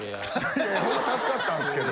いやいやホント助かったんすけど。